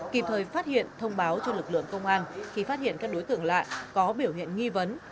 kịp thời phát hiện thông báo cho lực lượng công an khi phát hiện các đối tượng lạ có biểu hiện nghi vấn